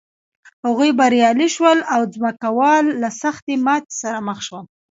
هغوی بریالي شول او ځمکوال له سختې ماتې سره مخ شول.